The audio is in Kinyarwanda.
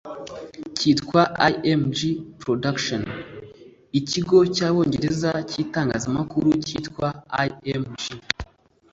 kitwa img productions k ikigo cy abongereza cy itangazamakuru cyitwa img